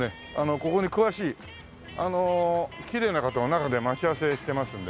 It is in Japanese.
ここに詳しいきれいな方と中で待ち合わせしてますんでね。